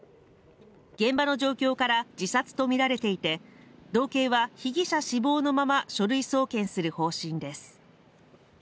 現場の状況から自殺と見られていて道警は被疑者死亡のまま書類送検する方針です